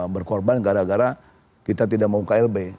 berkorban gara gara kita tidak mau klb